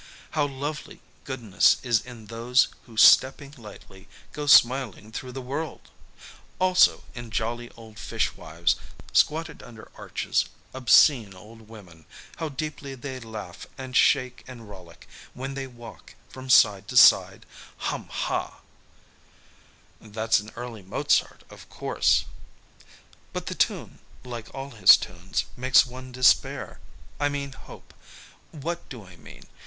How lovely goodness is in those who, stepping lightly, go smiling through the world! Also in jolly old fishwives, squatted under arches, obscene old women, how deeply they laugh and shake and rollick, when they walk, from side to side, hum, hah! "That's an early Mozart, of course " "But the tune, like all his tunes, makes one despair I mean hope. What do I mean?